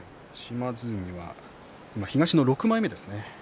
島津海は東の６枚目ですね。